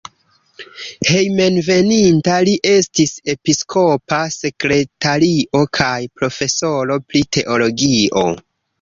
Hejmenveninta li estis episkopa sekretario kaj profesoro pri teologio.